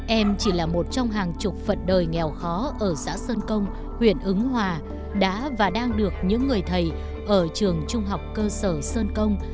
em chỉ là một trong hàng chục phận đời nghèo khó ở xã sơn công huyện ứng hòa đã và đang được những người thầy ở trường trung học cơ sở sơn công